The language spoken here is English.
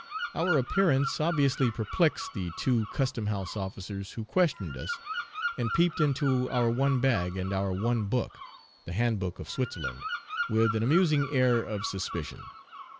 Our appearance obviously perplexed the two custom house officers, who questioned us, and peeped into our one bag and our one book (the handbook of Switzerland) with an amusing air of suspicion.